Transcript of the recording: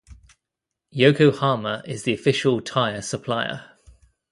Yokohama is the official tyre supplier.